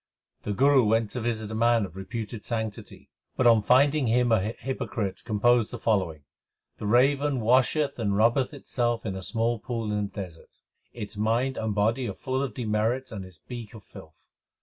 The Guru went to visit a man of reputed sanctity, but on finding him a hypocrite composed the following : The raven washeth and rubbeth itself in a small pool in the desert ; Its mind and body are full of demerits and its beak of filth.